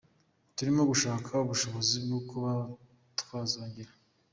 Turimo gushaka ubushobozi bwo kuba twazongera.